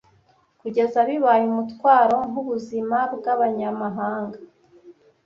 kugeza bibaye umutwaro nkubuzima bwabanyamahanga.